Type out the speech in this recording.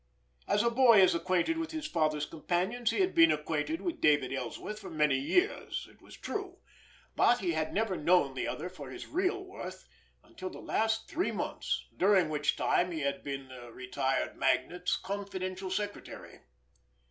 As a boy is acquainted with his father's companions, he had been acquainted with David Ellsworth for many years, it was true; but he had never known the other for his real worth until the last three months, during which time he had been the retired magnate's confidential secretary.